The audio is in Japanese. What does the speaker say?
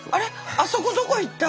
あそこどこいった？